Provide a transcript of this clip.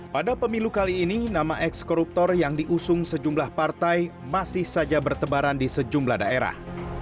pada pemilu kali ini nama eks koruptor yang diusung sejumlah partai masih saja bertebaran di sejumlah daerah